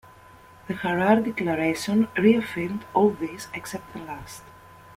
The Harare Declaration reaffirmed all these except the last.